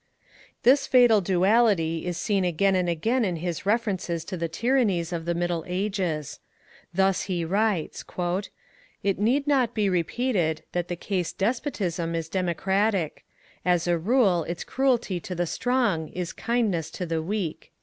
This fatal duality is seen again and again in his references to the tyrannies of the Middle Ages. Thus he writes: "It need not be repeated that the case despotism is democratic. As a rule its cruelty to the strong is kindness to the weak."